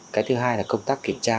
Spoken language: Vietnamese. cái thứ hai là công tác kiểm tra